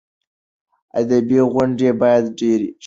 ادبي غونډې باید ډېرې شي.